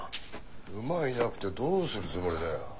馬がいなくてどうするつもりだよ。